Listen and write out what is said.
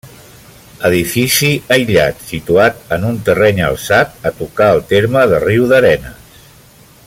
Edifici aïllat, situat en un terreny alçat, a tocar el terme de Riudarenes.